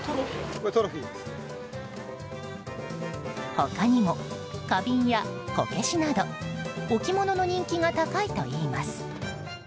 他にも花瓶やこけしなど置き物の人気が高いといいます。